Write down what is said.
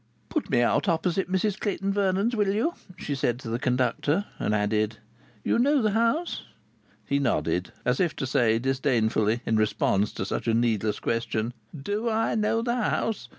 "Put me out opposite Mrs Clayton Vernon's, will you?" she said to the conductor, and added, "you know the house?" He nodded as if to say disdainfully in response to such a needless question: "Do I know the house?